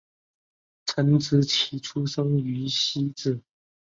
陈植棋出生于汐止